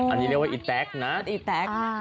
อันนี้เรียกว่าอีแต๊กน่ะ